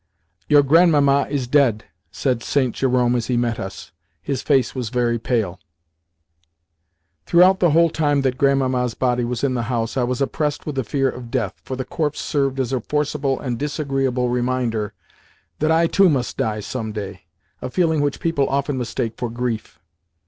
"Your Grandmamma is dead," said St. Jerome as he met us. His face was very pale. Throughout the whole time that Grandmamma's body was in the house I was oppressed with the fear of death, for the corpse served as a forcible and disagreeable reminder that I too must die some day—a feeling which people often mistake for grief.